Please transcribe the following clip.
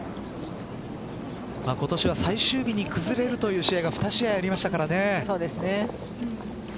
今年は最終日に崩れるという試合が２試合ありましたからね。